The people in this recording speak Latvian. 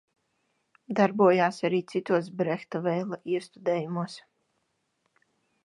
Darbojās arī citos Brehta – Veila iestudējumos.